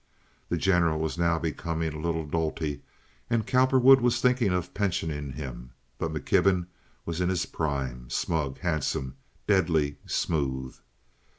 The General was now becoming a little dolty, and Cowperwood was thinking of pensioning him; but McKibben was in his prime—smug, handsome, deadly, smooth.